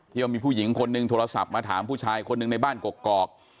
ว่ามีผู้หญิงคนหนึ่งโทรศัพท์มาถามผู้ชายคนหนึ่งในบ้านกกอก